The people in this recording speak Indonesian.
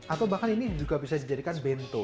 atau bahkan ini juga bisa dijadikan bento